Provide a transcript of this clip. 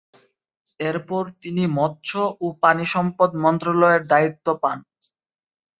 এরপর তিনি মৎস্য ও পানিসম্পদ মন্ত্রণালয়ের দায়িত্ব পান।